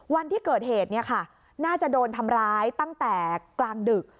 วันที่เกิดเหตุน่าจะโดนทำร้ายตั้งแต่กลางดึก